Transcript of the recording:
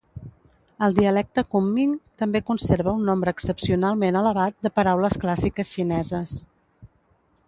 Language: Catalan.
El dialecte "kunming" també conserva un nombre excepcionalment elevat de paraules clàssiques xineses.